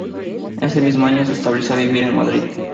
Ese mismo año se estableció a vivir en Madrid.